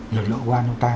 lực lượng qua chúng ta